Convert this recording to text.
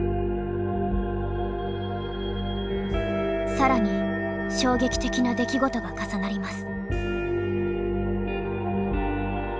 更に衝撃的な出来事が重なります。